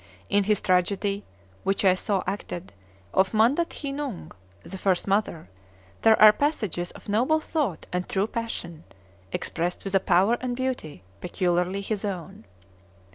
In his tragedy (which I saw acted) of Manda thi Nung, "The First Mother," there are passages of noble thought and true passion, expressed with a power and beauty peculiarly his own.